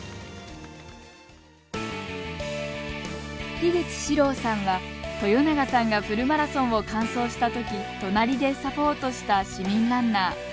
樋口四郎さんは豊永さんがフルマラソンを完走したとき隣でサポートした市民ランナー。